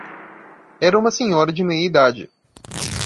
Era uma senhora de meia idade.